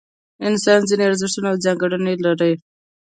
انسان ځینې ارزښتونه او ځانګړتیاوې لري.